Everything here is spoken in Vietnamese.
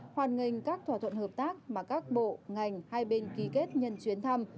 hoan nghênh các thỏa thuận hợp tác mà các bộ ngành hai bên ký kết nhân chuyển thăm